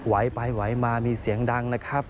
ไหวไปไหวมามีเสียงดังนะครับ